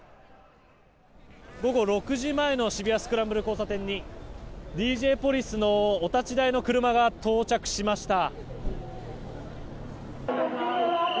午後６時前の渋谷スクランブル交差点にＤＪポリスのお立ち台の車が到着しました。